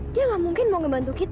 dia gak mungkin mau ngebantu kita